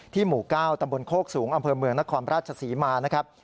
หมู่๙ตำบลโคกสูงอำเภอเมืองนครราชศรีมานะครับ